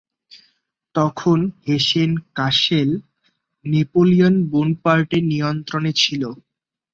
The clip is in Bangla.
তখন হেসেন-কাসেল নেপোলিয়ন বোনাপার্ট এর নিয়ন্ত্রণে ছিল।